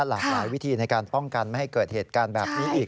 หลากหลายวิธีในการป้องกันไม่ให้เกิดเหตุการณ์แบบนี้อีก